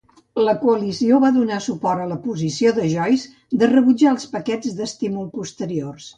La coalició va donar suport a la posició de Joyce de rebutjar els paquets d'estímul posteriors.